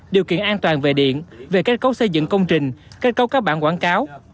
điều kiện an toàn về điện về kết cấu xây dựng công trình kết cấu các bản quảng cáo